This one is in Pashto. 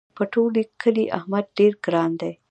په ټول کلي احمد ډېر راته ګران دی.